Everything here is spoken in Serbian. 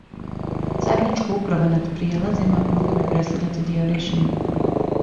Заједничка управа над пријелазима могла би представљати дио рјешења.